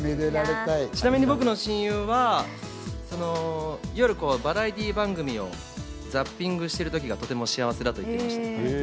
ちなみに僕の親友は夜、バラエティー番組をザッピングしてる時がとても幸せだと言ってました。